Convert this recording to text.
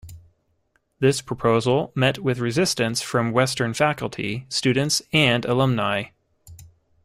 This proposal met with resistance from Western faculty, students and alumnae.